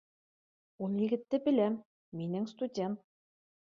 - Ул егетте беләм, минең студент